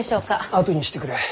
あとにしてくれ。